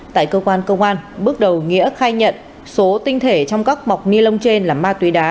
tại cơ quan công an bước đầu nghĩa khai nhận số tinh thể trong các bọc ni lông trên là ma túy đá